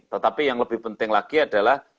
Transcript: tetapi yang lebih penting lagi adalah